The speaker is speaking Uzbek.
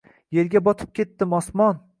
Yerga botib ketdim osmon